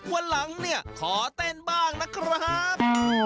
วันหลังเนี่ยขอเต้นบ้างนะครับ